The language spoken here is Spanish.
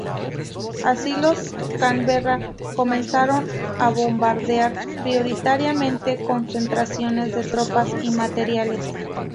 Así, los Canberra comenzaron a bombardear, prioritariamente, concentraciones de tropas y materiales.